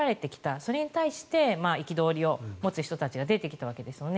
それに対して憤りを持つ人たちが出てきたわけですよね。